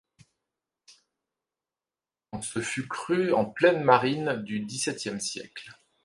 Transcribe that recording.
On se fût cru en pleine marine du dix-septième siècle.